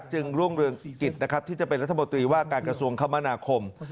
จึงรุ่งเรืองกิจนะครับที่จะเป็นรัฐมนตรีว่าการกระทรวงคมนาคม